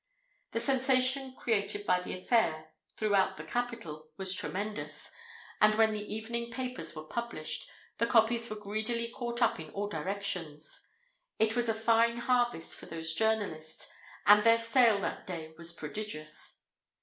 The sensation created by the affair, throughout the capital, was tremendous; and when the evening papers were published, the copies were greedily caught up in all directions. It was a fine harvest for those journals; and their sale that day was prodigious.